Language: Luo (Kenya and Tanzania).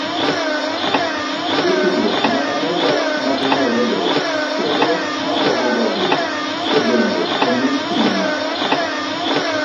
jotugo nyaka mi dhok maging'eyorego kendo mapogogi, to bende onyis ting' ma